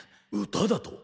歌だと？